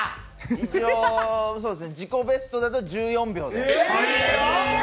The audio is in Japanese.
一応自己ベストだと１４秒で。